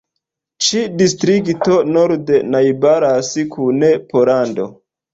Ĉi-distrikto norde najbaras kun Pollando.